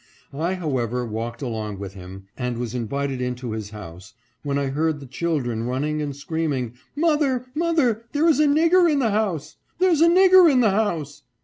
I, however, walked along with him, and was invited into his house, when I heard the children running and screaming, " Mother, mother, there is a nigger in the house ! There's a nigger in the house